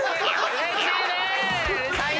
うれしい！